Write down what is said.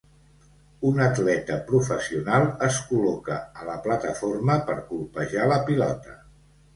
Un atleta professional es col·loca a la plataforma per colpejar la pilota.